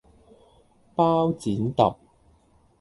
包剪~~揼